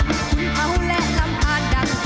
ทุนเผาและลำพาดดังสุฟานโลกนี้